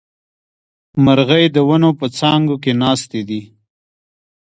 مرغۍ د ونو په څانګو کې ناستې دي